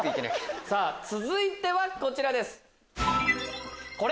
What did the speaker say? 続いてはこちらです。